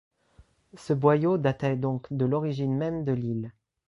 Ce boyau datait donc de l’origine même de l’île